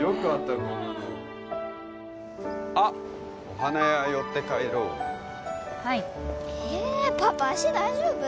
こんなのあっお花屋寄って帰ろうはいええパパ足大丈夫？